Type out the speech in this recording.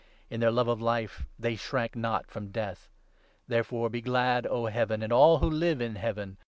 In their love of life they shrank not from death. Therefore, be glad, O 12 Heaven, and all who live in Heaven